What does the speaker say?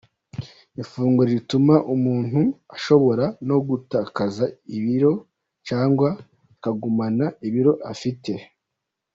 Ifunguro rituma umuntu ashobora no gutakaza ibiro cyangwa akagumana ibiro afite.